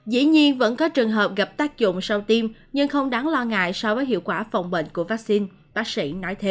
dĩ nhiên vẫn có trường hợp gặp tác dụng sau tiêm nhưng không đáng lo ngại so với hiệu quả phòng bệnh của vaccine bác sĩ nói thế